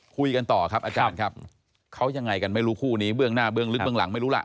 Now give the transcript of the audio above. คุยกันต่อครับอาจารย์ครับเขายังไงกันไม่รู้คู่นี้เบื้องหน้าเบื้องลึกเบื้องหลังไม่รู้ล่ะ